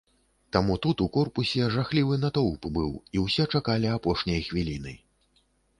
Таму тут у корпусе жахлівы натоўп быў і ўсе чакалі апошняй хвіліны.